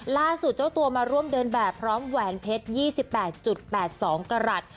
เจ้าตัวมาร่วมเดินแบบพร้อมแหวนเพชร๒๘๘๒กรัฐ